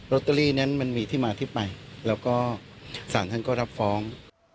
ตเตอรี่นั้นมันมีที่มาที่ไปแล้วก็สารท่านก็รับฟ้อง